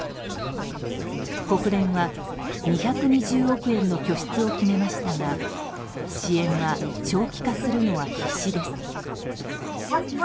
国連は２２０億円の拠出を決めましたが支援は長期化するのは必至です。